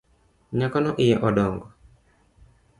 Nyakono iye odongo?